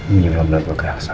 ini yang belakang ke elsa